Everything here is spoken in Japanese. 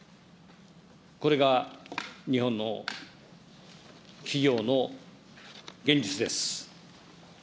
これが日本の企業の現実です。